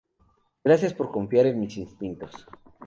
Gracias por confiar en mis instintos.